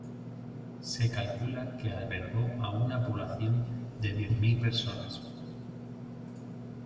Se calcula que albergó a una población de diez mil personas.